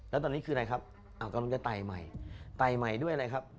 ตายใหม่วิบัตรด้วยอะไรครับกำลังแต่ตายใหม่ด้วยอะไรครับ